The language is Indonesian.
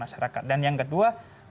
menjadi satu industri dan sebuah kontestasi